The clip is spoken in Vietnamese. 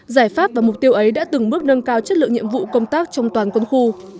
giải pháp và mục tiêu ấy đã từng bước nâng cao chất lượng nhiệm vụ công tác trong toàn quân khu